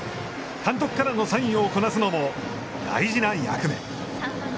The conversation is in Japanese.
監督からのサインをこなすのも大事な役目。